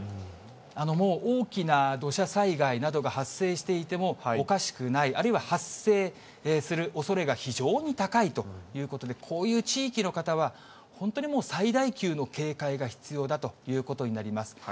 もう大きな土砂災害などが発生していてもおかしくない、あるいは発生するおそれが非常に高いということで、こういう地域の方は、本当にもう最大級の警戒が必要だということになります。